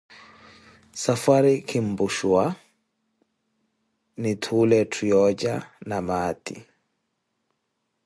Safwari kinpushuwa, nitthuule etthu yooja na maati.